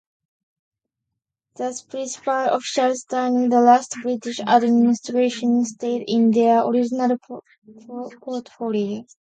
Thus principal officials during the last British administration stayed in their original portfolios.